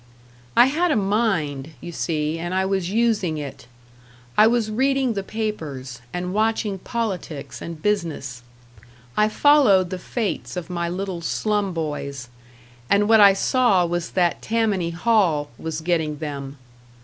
I had a mind, you see, and I was using it. I was reading the papers, and watching politics and business. I followed the fates of my little slum boys and what I saw was that Tammany Hall was getting them.